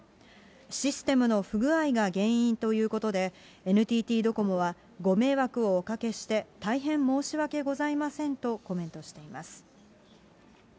システムの不具合が原因ということで、ＮＴＴドコモはご迷惑をおかけして大変申し訳ございませんとコメントしています。